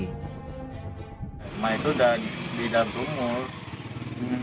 cuma itu sudah di dalam sumur